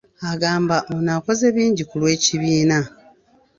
Agamba ono akoze bingi ku lw’ekibiina.